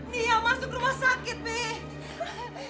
nia masuk rumah sakit mi